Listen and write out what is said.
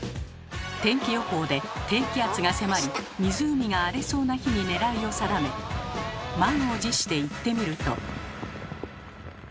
天気予報で低気圧が迫り湖が荒れそうな日に狙いを定め満を持して行ってみると。